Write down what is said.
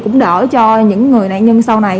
cũng đỡ cho những người nạn nhân sau này